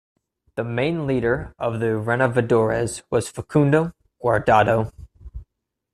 The main leader of the Renovadores was Facundo Guardado.